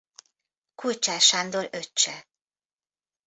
Kulcsár Sándor öccse.